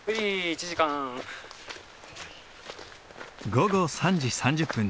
午後３時３０分。